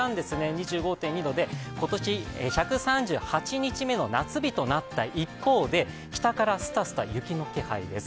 ２５．２度で今年１３８日目の夏日となった一方で北からすたすた雪の気配です。